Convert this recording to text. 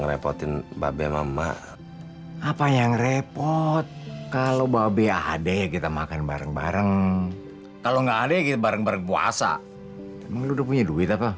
emang lu udah punya duit apa